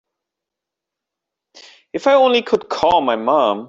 If I only could call my mom.